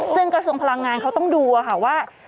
ซึ่งกระทรวงพลังงานเขาต้องดูค่ะว่า